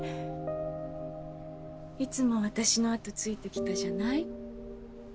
いつも私のあとついてきたじゃない？